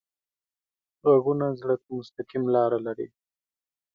غږونه زړه ته مستقیم لاره لري